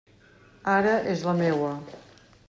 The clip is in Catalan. Ara és la meua!